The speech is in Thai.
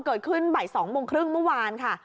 เกิดขึ้นตอนบ่ายสองบนครึ่งเมื่อวานค่ะ